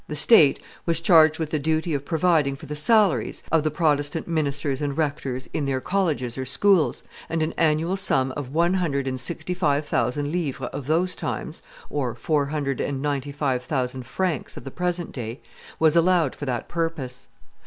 The state was charged with the duty of providing for the salaries of the Protestant ministers and rectors in their colleges or schools, and an annual sum of one hundred and sixty five thousand livres of those times (four hundred and ninety five thousand francs of the present day) was allowed for that purpose.